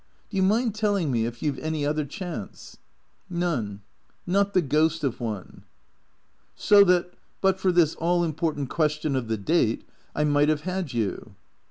Do you mind telling me if you 've any other chance ?"" None. Not the ghost of one." " So that, but for this all important question of the date, I might have had you